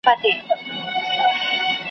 ما د خضر پر چینه لیدلي مړي `